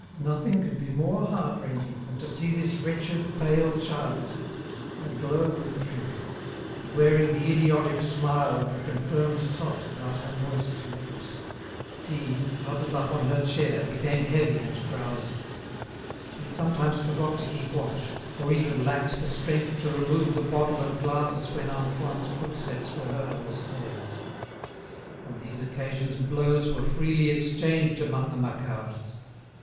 Nothing could be more heart rending than to see this wretched, pale child, aglow with drink and wearing the idiotic smile of a confirmed sot about her moist lips. Fine, huddled up on her chair, became heavy and drowsy. They sometimes forgot to keep watch, or even lacked the strength to remove the bottle and glasses when Antoine's footsteps were heard on the stairs. On these occasions blows were freely exchanged among the Macquarts.